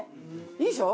いいでしょ？